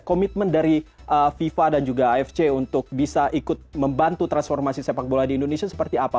komitmen dari fifa dan juga afc untuk bisa ikut membantu transformasi sepak bola di indonesia seperti apa